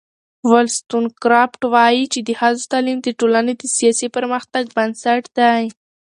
ولستون کرافټ وایي چې د ښځو تعلیم د ټولنې د سیاسي پرمختګ بنسټ دی.